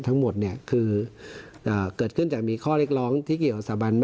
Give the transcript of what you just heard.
ทั้งหมดเนี่ยคือเกิดขึ้นจากมีข้อเรียกร้องที่เกี่ยวกับสถาบัน